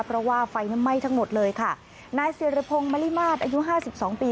เพราะว่าไฟนั้นไหม้ทั้งหมดเลยค่ะนายสิริพงศ์มริมาตรอายุห้าสิบสองปี